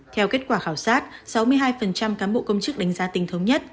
theo kết quả khảo sát sáu mươi hai cán bộ công chức đánh giá tình thống nhất